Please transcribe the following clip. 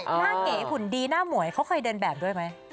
เก๋หุ่นดีหน้าหมวยเขาเคยเดินแบบด้วยไหม